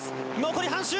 残り半周。